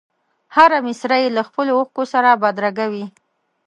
هره مسره یې له خپلو اوښکو سره بدرګه وي.